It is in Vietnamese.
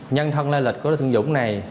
nhân thân lây lịch của đối tượng dũng này